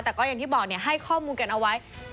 แต่ก็อย่างที่บอกให้ข้อมูลกันเอาไว้